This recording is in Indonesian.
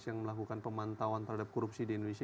yang melakukan pemantauan terhadap korupsi di indonesia